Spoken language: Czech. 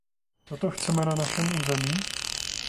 Toto chceme na našem území?